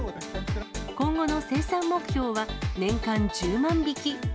今後の生産目標は年間１０万匹。